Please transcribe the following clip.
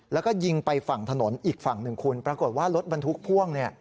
แล้วก็ยิงไปฝั่งถนนอีกฝั่งหนึ่งคุณปรากฏว่ารถบรรทุกพ่วงเนี่ย